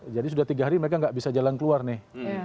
jadi sudah tiga hari mereka enggak bisa jalan keluar nih